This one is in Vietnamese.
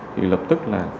thì lập tức là